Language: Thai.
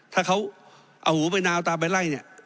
ถ้าเขาเอาหูไปนาวตามไปไล่เนี่ย